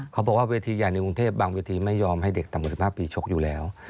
เขาบอกว่าเวทีใหญ่ในกรุงเทพบางเวทีไม่ยอมให้เด็กต่ำกว่า๑๕ปีชกอยู่แล้ว